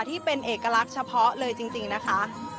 ที่เป็นเอกลักษณ์เฉพาะเลยจริงนะคะ